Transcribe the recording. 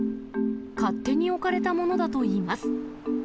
勝手に置かれたものだといいます。